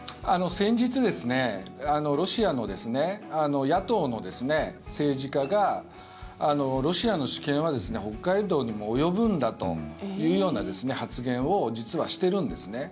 先日ロシアの野党の政治家がロシアの主権は北海道にも及ぶんだというような発言を実はしているんですね。